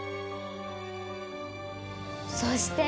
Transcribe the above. そして。